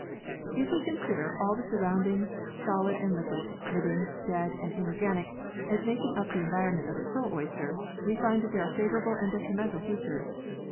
If we consider all the surroundings, solid and liquid, living, dead and inorganic, as making up the environment of the pearl oyster, we find there are favourable and detrimental features.